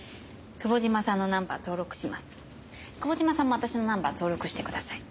久保島さんも私のナンバー登録してください。